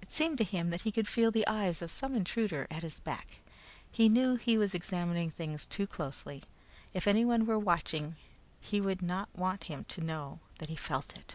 It seemed to him that he could feel the eyes of some intruder at his back. He knew he was examining things too closely: if anyone were watching, he did not want him to know that he felt it.